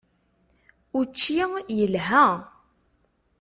Učči yelha.